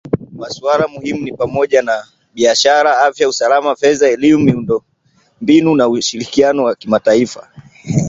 Masuala muhimu ni pamoja na biashara , afya , usalama , fedha , elimu , miundo mbinu na ushirikiano wa kimataifa